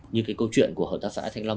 như cái câu chuyện của hợp tác xã thanh long